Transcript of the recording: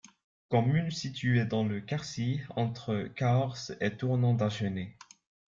Commune située dans le Quercy, entre Cahors et Tournon-d'Agenais.